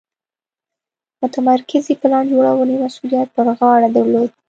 د متمرکزې پلان جوړونې مسوولیت پر غاړه درلود.